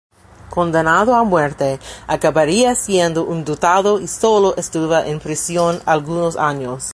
Condenado a muerte, acabaría siendo indultado y sólo estuvo en prisión algunos años.